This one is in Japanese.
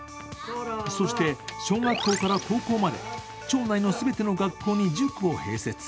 そして、小学校から高校まで町内の全ての学校に塾を併設。